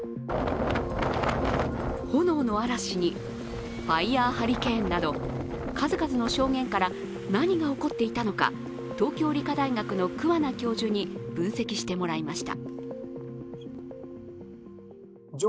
炎の嵐に、ファイヤーハリケーンなど数々の証言から何が起こっていたのか東京理科大学の桑名教授に分析してもらいました。